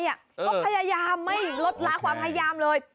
ก็พยายามไม่ลดล้าความพยายามเลย